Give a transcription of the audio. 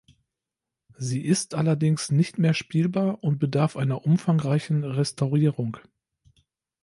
Sie ist allerdings nicht mehr spielbar und bedarf einer umfangreichen Restaurierung.